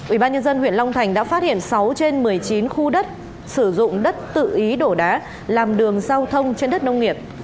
ubnd huyện long thành đã phát hiện sáu trên một mươi chín khu đất sử dụng đất tự ý đổ đá làm đường giao thông trên đất nông nghiệp